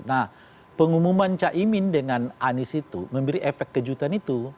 nah pengumuman caimin dengan anies itu memberi efek kejutan itu